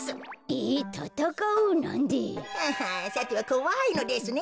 さてはこわいのですね